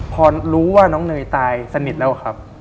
พอรู้ว่าน้องเนยตายสนิทแล้วครับ